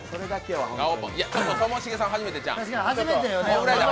ともしげさん、初めてちゃうん？